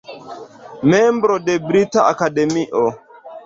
Membro de Brita Akademio.